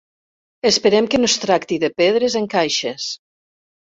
Esperem que no es tracti de pedres en caixes.